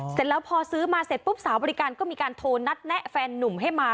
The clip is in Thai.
เสร็จแล้วพอซื้อมาเสร็จปุ๊บสาวบริการก็มีการโทรนัดแนะแฟนนุ่มให้มา